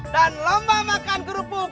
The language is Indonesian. dan lomba makan gerupuk